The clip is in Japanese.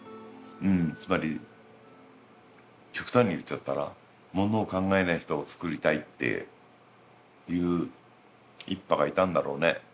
つまり極端に言っちゃったらものを考えない人をつくりたいっていう一派がいたんだろうね。